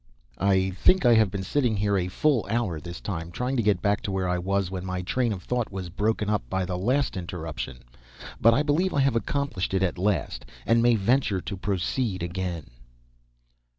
I think I have been sitting here a full hour this time, trying to get back to where I was when my train of thought was broken up by the last interruption; but I believe I have accomplished it at last, and may venture to proceed again.